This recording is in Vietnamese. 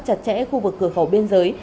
chặt chẽ khu vực cửa khẩu biên giới